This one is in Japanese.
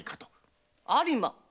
有馬！